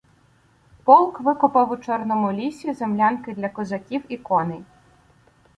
Полк викопав у Чорному лісі землянки для козаків і коней.